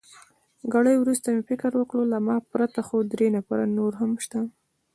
ګړی وروسته مې فکر وکړ، له ما پرته خو درې نفره نور هم شته.